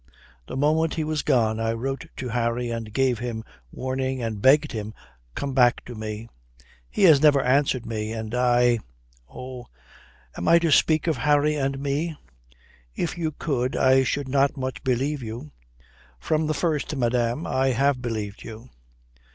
The moment he was gone I wrote to Harry and gave him warning and begged him come back to me. He has never answered me. And I oh am I to speak of Harry and me?" "If you could I should not much believe you. From the first, madame, I have believed you."